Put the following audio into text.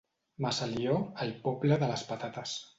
Massalió, el poble de les patates.